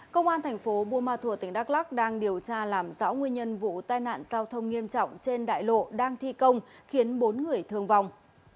công an tp bùa ma thùa tỉnh đắk lắc đang điều tra làm rõ nguyên nhân vụ tai nạn giao thông nghiêm trọng trên đại lộ đang thi công khiến bốn người thương vong